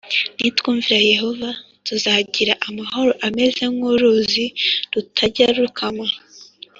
Nitwumvira Yehova tuzagira amahoro ameze nk uruzi rutajya rukama